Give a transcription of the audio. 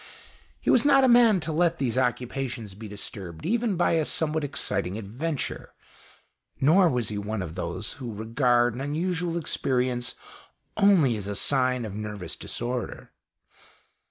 He was not a man to let these occupations be disturbed even by a somewhat exciting adventure, nor was he one of those who regard an unusual experience only as a sign of nervous disorder.